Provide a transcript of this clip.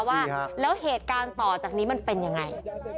ว่าแล้วเหตุการณ์ต่อจากนี้มันเป็นยังไง